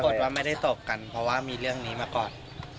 ว่าไม่ได้ตบกันเพราะว่ามีเรื่องนี้มาก่อน